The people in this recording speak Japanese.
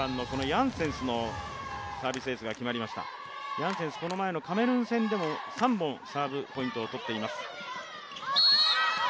ヤンセンスこの前のカメルーン戦でも３本、サーブポイントを取っています。